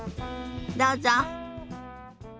どうぞ。